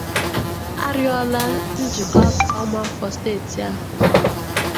arịọla njikọaka ụmụafọ steeti ahụ